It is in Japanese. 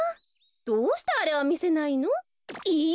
どうしてあれはみせないの？え！